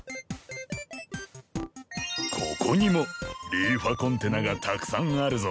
ここにもリーファコンテナがたくさんあるぞ。